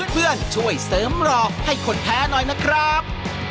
เพื่อนช่วยเสริมรอให้คนแพ้หน่อยนะครับ